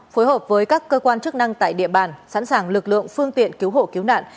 phối hợp với các cơ quan chức năng tại địa bàn sẵn sàng lực lượng phương tiện cứu hộ cứu nạn